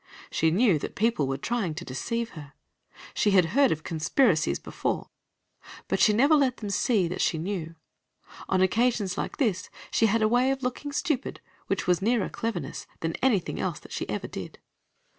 She knew that people were trying to deceive her; she had heard of conspiracies before but she never let them see that she knew. On occasions like this she had a way of looking stupid which was nearer cleverness than anything else that she ever did.